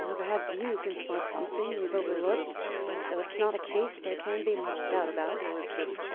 "Perhaps you can spot something we have overlooked," he said. "Though it's not a case there can be much doubt about."